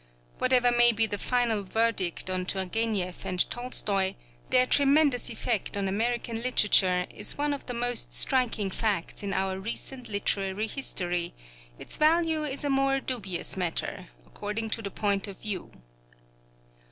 Whatever may be the final verdict on Turgénieff and Tolstoy, their tremendous effect on American literature is one of the most striking facts in our recent literary history; its value is a more dubious matter, according to the point of view.